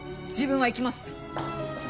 自分は行きます。